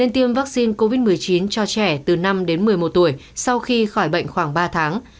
tiêm vaccine covid một mươi chín cho trẻ từ năm đến một mươi một tuổi sau khi khỏi bệnh khoảng ba tháng